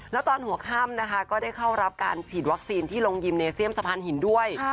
แล้วตอนหัวค่ำนะคะก็ได้เข้ารับการฉีดวัคซีนที่โรงยิมเนเซียมสะพานหินด้วย